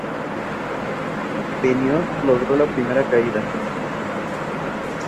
Ficha del disco